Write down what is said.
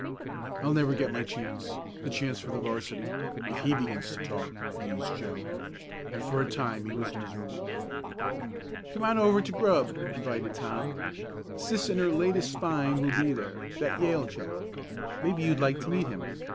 "I'll never get my chance the chance for the 'varsity if he begins to talk," mused Joe, and for a time he was miserable. "Come on over to grub," invited Tom. "Sis and her latest find will be there that Yale chap. Maybe you'd like to meet him.